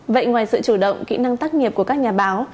vậy ngoài sự chủ động kỹ năng tác nghiệp của các nhà báo